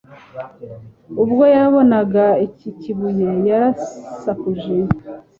Ubwo yabonaga iki kibuye yarasakuje